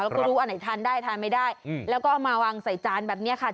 แล้วก็รู้อันไหนทานได้ทานไม่ได้แล้วก็เอามาวางใส่จานแบบนี้ค่ะ